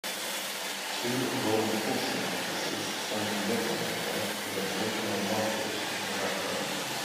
Two law enforcement officers standing near one another with an open air market in the background.